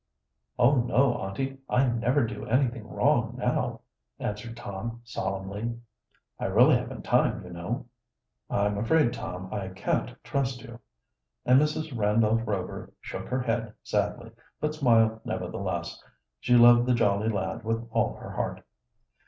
"Oh, no, aunty! I never do anything wrong now," answered Tom solemnly. "I really haven't time, you know." "I'm afraid, Tom, I can't trust you." And Mrs. Randolph Rover shook her head sadly, but smiled nevertheless. She loved the jolly lad with all her heart.